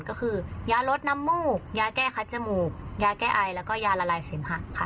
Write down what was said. ก็คือยาลดน้ำมูกยาแก้คัดจมูกยาแก้ไอแล้วก็ยาละลายเสมหะค่ะ